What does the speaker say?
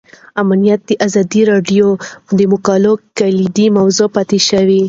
امنیت د ازادي راډیو د مقالو کلیدي موضوع پاتې شوی.